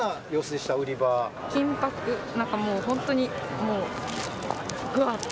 緊迫、なんかもう本当に、もうぐわって。